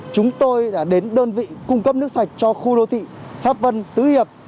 chúng tôi đã đến đơn vị cung cấp nước sạch cho khu đô thị pháp vân tứ hiệp